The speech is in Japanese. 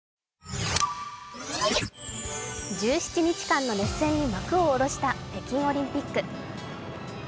１７日間の熱戦に幕を下ろした北京オリンピック。